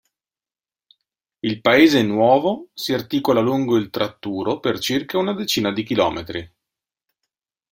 Il paese "nuovo" si articola lungo il tratturo per circa una decina di chilometri.